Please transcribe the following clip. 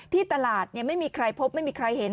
ที่ตลาดไม่มีใครพบไม่มีใครเห็น